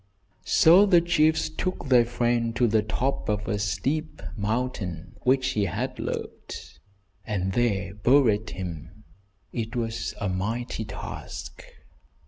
So the chiefs took their friend to the top of a steep mountain which he had loved, and there buried him. It was a mighty task.